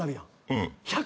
うん。